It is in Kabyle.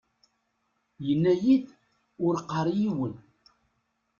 Yenna-iyi-d: Ur qqar i yiwen.